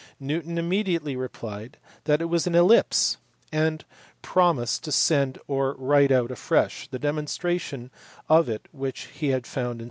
Newton imme diately replied that it was an ellipse, and promised to send or write out afresh the demonstration of it which he had found in 1679.